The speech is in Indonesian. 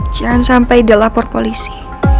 jangan sampai dia lapor polisi